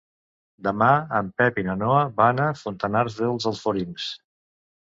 Demà en Pep i na Noa van a Fontanars dels Alforins.